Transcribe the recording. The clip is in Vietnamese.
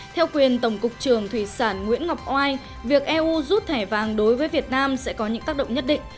theo quyền tổng cục trường thủy sản nguyễn ngọc oai việc eu rút thẻ vàng đối với việt nam sẽ có những tác động nhất định